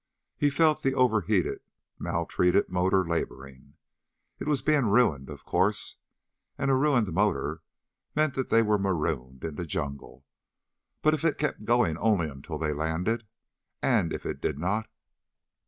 He felt the over heated, maltreated motor laboring. It was being ruined, of course and a ruined motor meant that they were marooned in the jungle. But if it kept going only until they landed. And if it did not....